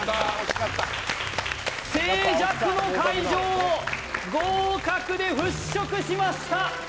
静寂の会場を合格で払拭しました